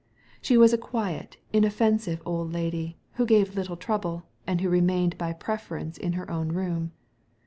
She was a quiet, inoffensive old lady, who gave little trouble, and who remained by preference in her own room.